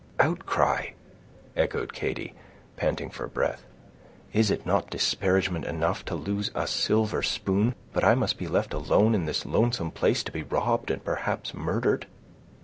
"Outcry!" echoed Katy, panting for breath. "Is it not disparagement enough to lose a silver spoon, but I must be left alone in this lonesome place, to be robbed, and perhaps murdered?